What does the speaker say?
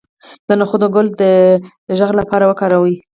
د نخود ګل د غږ لپاره وکاروئ